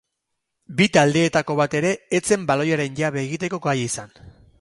Bi taldeetako bat ere ez zen baloiaren jabe egiteko gai izan.